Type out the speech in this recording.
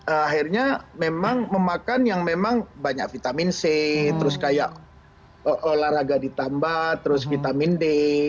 akhirnya memang memakan yang memang banyak vitamin c terus kayak olahraga ditambah terus vitamin d